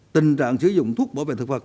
tình trạng sử dụng thuốc bảo vệ thực vật